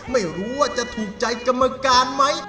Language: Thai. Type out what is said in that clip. ไม่รู้ว่าจะถูกใจกรรมการไหม